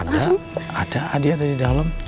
ada ada adi ada di dalem